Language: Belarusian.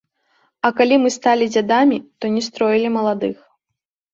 А калі мы сталі дзядамі, то не строілі маладых.